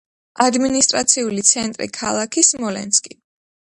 ადმინისტრაციული ცენტრი ქალაქი სმოლენსკი.